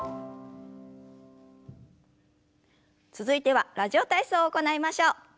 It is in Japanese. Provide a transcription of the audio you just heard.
続いては「ラジオ体操」を行いましょう。